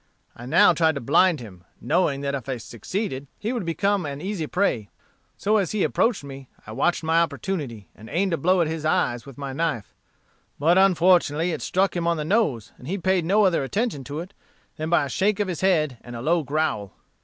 I now tried to blind him, knowing that if I succeeded he would become an easy prey; so as he approached me I watched my opportunity, and aimed a blow at his eyes with my knife; but unfortunately it struck him on the nose, and he paid no other attention to it than by a shake of the head and a low growl.